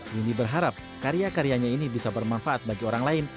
yuni berharap karya karyanya ini bisa bermanfaat bagi orang lain